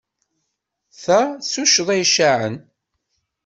Ta d tuccḍa icaɛen.